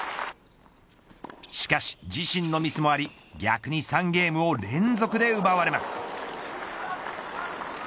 しかし自身のミスもあり逆に３ゲームを連続で奪われます。